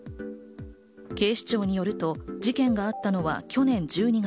警視庁によると事件があったのは去年１２月。